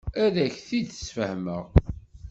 Ad ak-t-id-sfehmeɣ.